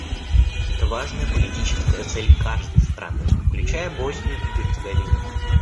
Это важная политическая цель каждой страны, включая Боснию и Герцеговину.